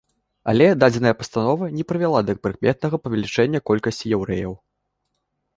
Але дадзеная пастанова не прывяла да прыкметнага павелічэння колькасці яўрэяў.